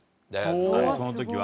その時は。